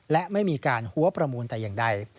และไม่มีการหัวประมูลแต่อย่างใด